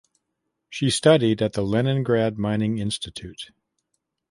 She studied at the Leningrad Mining Institute.